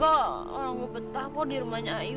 orang saya betah kok di rumahnya ayu